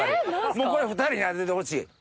もうこれ２人に当ててほしい。